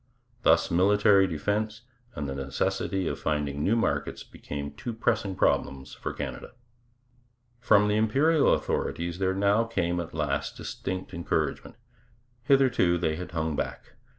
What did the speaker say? Thus military defence and the necessity of finding new markets became two pressing problems for Canada. From the Imperial authorities there came now at last distinct encouragement. Hitherto they had hung back.